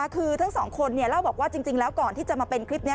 คือทั้งสองคนเล่าบอกว่าจริงแล้วก่อนที่จะมาเป็นคลิปนี้